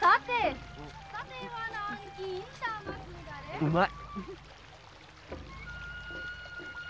うまい。